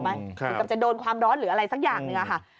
เหมือนกับจะโดนความร้อนหรืออะไรสักอย่างหนึ่งค่ะ